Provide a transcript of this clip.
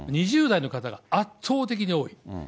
２０代の方が圧倒的に多い。